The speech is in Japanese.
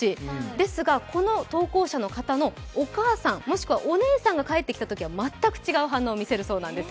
ですがこの投稿者の方のお母さんもしくはお姉さんが帰ってきたときは全く違った反応を見せるそうなんです。